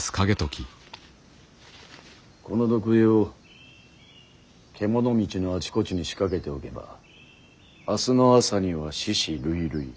この毒餌を獣道のあちこちに仕掛けておけば明日の朝には死屍累々。